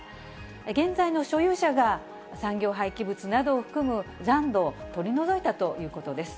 現在の所有者が、産業廃棄物などを含む残土を取り除いたということです。